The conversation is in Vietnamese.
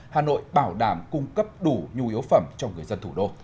hà nội bảo đảm cung cấp đủ nhu yếu phẩm cho người dân thủ đô